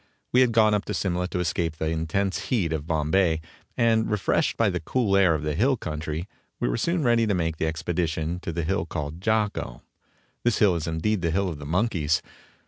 We had gone up to Simla to escape the intense heat of Bombay, and, refreshed by the cool air of the "hill country," we were soon ready to make the expedition to the hill called Jako. This hill is indeed the hill of the monkeys.